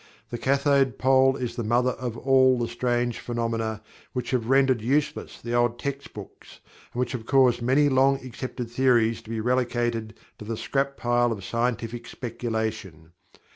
The Cathode pole is the Mother of all of the strange phenomena which have rendered useless the old textbooks, and which have caused many long accepted theories to be relegated to the scrap pile of scientific speculation.